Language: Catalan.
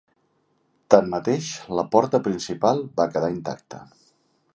Tanmateix, la porta gran principal va quedar intacta.